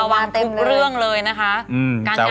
วางทุกเรื่องเลยนะคะ